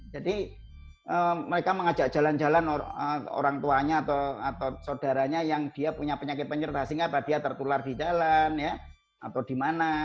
jadi mereka mengajak jalan jalan orang tuanya atau saudaranya yang dia punya penyakit pencernaan sehingga dia tertular di jalan atau di mana